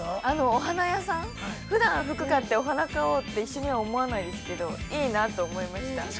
◆お花屋さん、ふだん服買って、お花を一緒に買おうとは思わないですけれども、いいなと思いました。